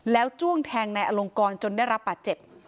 แล้วจ้วงแทงนายอลงกรจนได้รับบาดเจ็บ